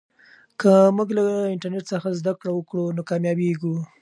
که موږ له انټرنیټ څخه زده کړه وکړو نو کامیابېږو.